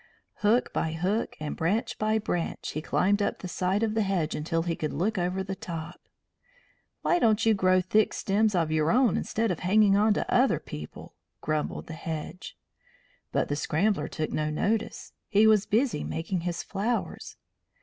Hook by hook and branch by branch he climbed up the side of the hedge until he could look over the top. "Why don't you grow thick stems of your own instead of hanging on to other people?" grumbled the hedge. But the Scrambler took no notice; he was busy making his flowers.